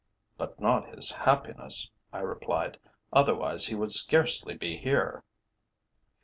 "But not his happiness," I replied; "otherwise he would scarcely be here."